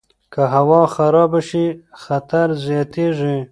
که هوا خرابه شي، خطر زیاتیږي.